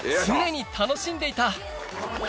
常に楽しんでいた